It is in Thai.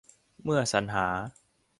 เมื่อสรรหา